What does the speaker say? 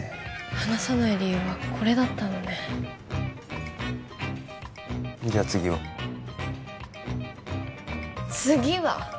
話さない理由はこれだったのねじゃ次は？次は？